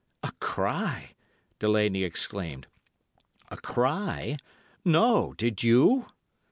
"'A cry!' Delaney exclaimed. 'A cry? No. Did you?